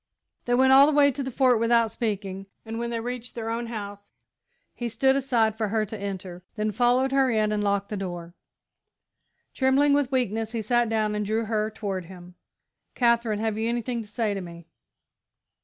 They went all the way to the Fort without speaking, and when they reached their own house, he stood aside for her to enter, then followed her in and locked the door. Trembling with weakness, he sat down and drew her toward him. "Katherine, have you anything to say to me?"